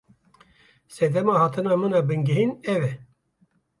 Sedema hatina min a bingehîn ev e.